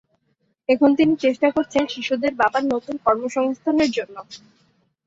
এখন তিনি চেষ্টা করছেন শিশুদের বাবার নতুন কর্মসংস্থানের জন্য।